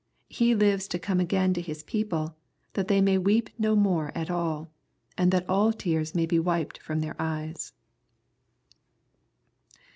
He lives to come again to His people, that tbey may weep no more at all, and that all tears may be wiped from their eyes.